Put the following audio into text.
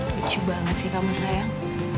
lucu banget sih kamu sayang